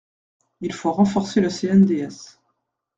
Il faut renforcer le CNDS.